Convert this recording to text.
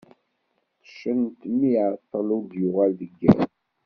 Qeccen-t mi iεeṭṭel ur d-yuɣal deg yiḍ.